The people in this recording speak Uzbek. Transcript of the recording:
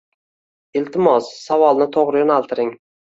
Iltimos, savolni to’g’ri yo’naltiring